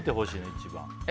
一番。